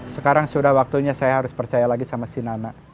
sekarang sudah waktunya saya harus percaya lagi sama si nana